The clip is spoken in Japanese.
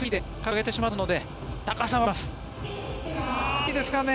いいですね。